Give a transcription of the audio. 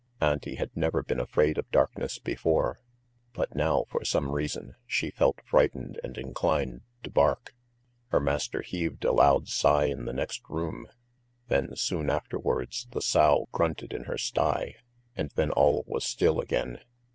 Auntie had never been afraid of darkness before, but now, for some reason, she felt frightened and inclined to bark. Her master heaved a loud sigh in the next room, then soon afterwards the sow grunted in her sty, and then all was still again.